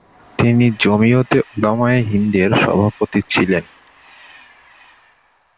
তিনি জমিয়তে উলামায়ে হিন্দের সভাপতি ছিলেন।